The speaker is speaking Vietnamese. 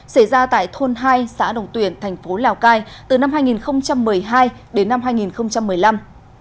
xảy ra tại thôn hai xã đồng tuyển thành phố lào cai từ năm hai nghìn một mươi hai đến năm hai nghìn một mươi năm